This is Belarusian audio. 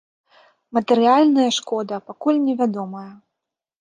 Матэрыяльная шкода пакуль невядомая.